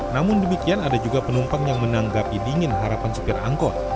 namun demikian ada juga penumpang yang menanggapi dingin harapan supir angkot